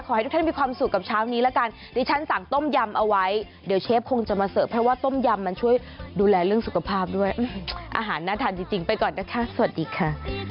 ให้ทุกท่านมีความสุขกับเช้านี้ละกันดิฉันสั่งต้มยำเอาไว้เดี๋ยวเชฟคงจะมาเสิร์ฟเพราะว่าต้มยำมันช่วยดูแลเรื่องสุขภาพด้วยอาหารน่าทานจริงไปก่อนนะคะสวัสดีค่ะ